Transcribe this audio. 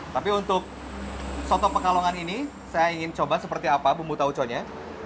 tapi untuk soto pekalongan ini saya ingin coba seperti apa bumbu tauconya